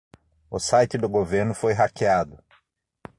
O site do governo foi hackeado